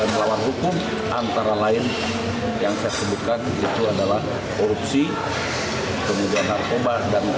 saudara sunjaya dari keanggotaan pdi perjuangan